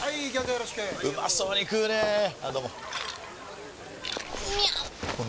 よろしくうまそうに食うねぇあどうもみゃう！！